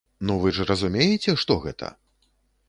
Ну вы ж разумееце, што гэта?